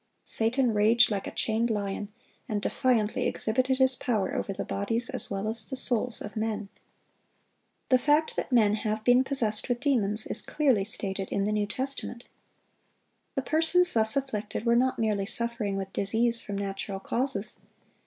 Satan raged like a chained lion, and defiantly exhibited his power over the bodies as well as the souls of men. The fact that men have been possessed with demons, is clearly stated in the New Testament. The persons thus afflicted were not merely suffering with disease from natural causes.